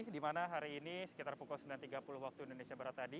di mana hari ini sekitar pukul sembilan tiga puluh waktu indonesia barat tadi